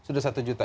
sudah satu juta